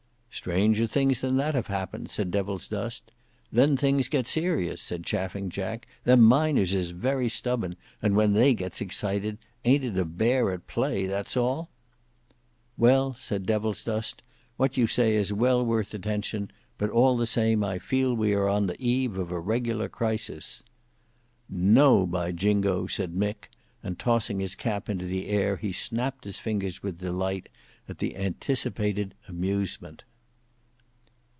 "Stranger things than that have happened," said Devilsdust. "Then things get serious," said Chaffing Jack. "Them miners is very stubborn, and when they gets excited ayn't it a bear at play, that's all?" "Well," said Devilsdust, "what you say is well worth attention; but all the same I feel we are on the eve of a regular crisis." "No, by jingo!" said Mick, and tossing his cap into the air he snapped his fingers with delight at the anticipated amusement.